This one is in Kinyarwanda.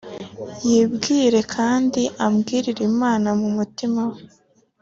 yibwire kandi abwirire Imana mu mutima we